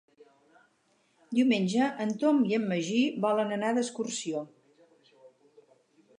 Diumenge en Tom i en Magí volen anar d'excursió.